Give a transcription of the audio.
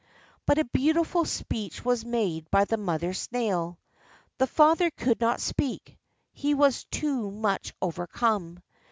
But a beautiful speech was made by the mother snail. The father could not speak; he was too much overcome.